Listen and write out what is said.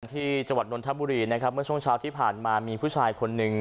ที่จังหวัดนนทบุรีนะครับเมื่อช่วงเช้าที่ผ่านมามีผู้ชายคนหนึ่ง